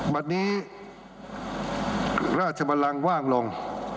วันนี้ราชบัลลังค์ว่างลง